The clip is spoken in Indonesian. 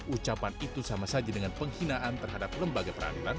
ucapan itu sama saja dengan penghinaan terhadap lembaga peradilan